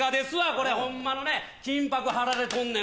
これホンマのね金箔はられとんねん。